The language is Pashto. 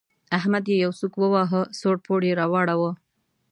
احمد يې يو سوک وواهه؛ سوړ پوړ يې راواړاوو.